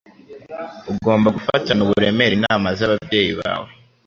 Ugomba gufatana uburemere inama z'ababyeyi bawe